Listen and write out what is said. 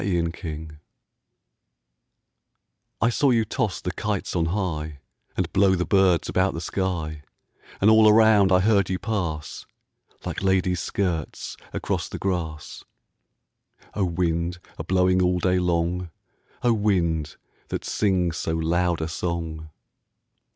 The Wind I SAW you toss the kites on highAnd blow the birds about the sky; And all around I heard you pass, Like ladies' skirts across the grass—O wind, a blowing all day long,O wind, that sings so loud a song!